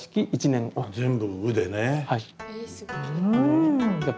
全部「う」でね。